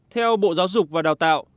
theo bộ giáo dục và đào tạo